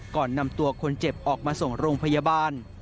ก่อนนำตัวคนเจ็บออกมาส่งโรงพยาบาล